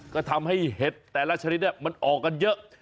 ก็ทำให้เห็ดแต่ละชนิดมันออกกันเยอะ